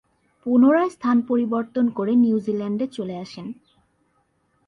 পুনরায় স্থান পরিবর্তন করে নিউজিল্যান্ডে চলে আসেন।